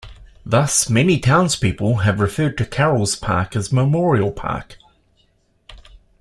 Thus, many townspeople have referred to Carroll's Park as Memorial Park.